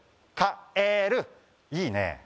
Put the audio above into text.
「いいねえ」